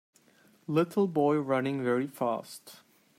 Little boy running very fast.